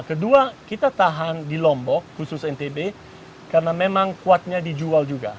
kedua kita tahan di lombok khusus ntb karena memang kuatnya dijual juga